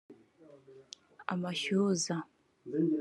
amashyuza